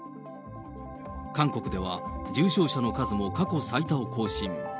韓国では重症者の数も過去最多を更新。